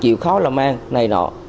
chịu khó là mang này nọ